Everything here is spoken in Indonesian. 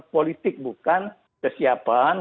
politik bukan kesiapan